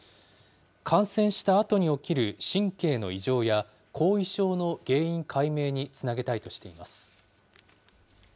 感染したあとに起きる神経の異常や、後遺症の原因解明につなげたいとしています。